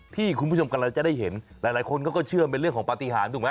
ที่คุณผู้ชมกำลังจะได้เห็นหลายคนเขาก็เชื่อมันเป็นเรื่องของปฏิหารถูกไหม